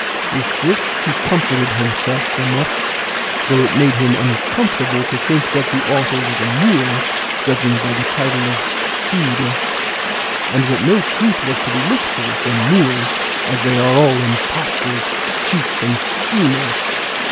With this he comforted himself somewhat, though it made him uncomfortable to think that the author was a Moor, judging by the title of "Cide;" and that no truth was to be looked for from Moors, as they are all impostors, cheats, and schemers.